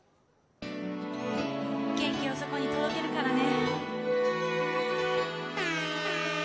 元気をそこに届けるからね。